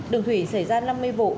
đường thủy xảy ra năm mươi vụ